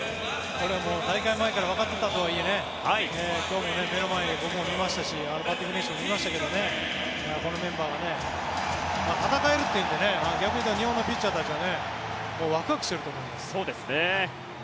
これ、大会前からわかっていたとはいえ今日も目の前で僕も見ましたしバッティング練習も見ましたけどこのメンバーと戦えるというので逆に日本のピッチャーたちはワクワクしていると思います。